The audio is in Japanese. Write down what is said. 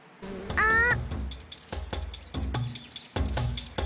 あっ！